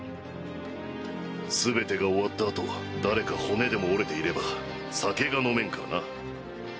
全てが終わったあと誰か骨でも折れていれば酒が飲めんからな。